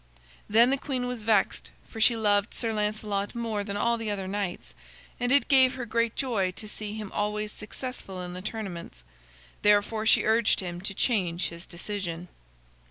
Then the queen was vexed, for she loved Sir Lancelot more than all the other knights, and it gave her great joy to see him always successful in the tournaments. Therefore she urged him to change his decision.